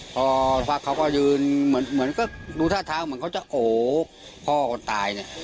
พอสักพักเขาก็ยืนเหมือนก็ดูท่าทางเหมือนเขาจะโอ้พ่อคนตายเนี่ย